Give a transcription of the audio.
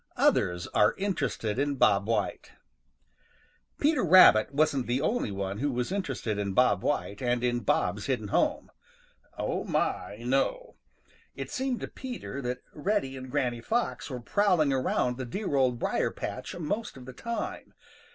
OTHERS ARE INTERESTED IN BOB WHITE |PETER RABBIT wasn't the only one who was interested in Bob White and in Bob's hidden home. Oh, my, no! It seemed to Peter that Reddy and Granny Fox were prowling around the dear Old Briar patch most of the time.